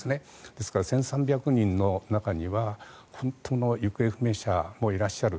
ですから１３００人の中には本当の行方不明者の方もいらっしゃる。